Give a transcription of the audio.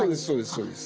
そうです